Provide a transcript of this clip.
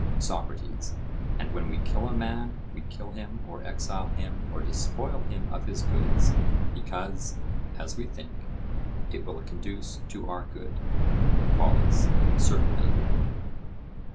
SOCRATES: And when we kill a man we kill him or exile him or despoil him of his goods, because, as we think, it will conduce to our good? POLUS: Certainly.